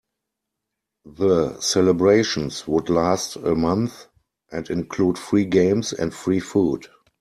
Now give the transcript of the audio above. The celebrations would last a month and include free games and free food.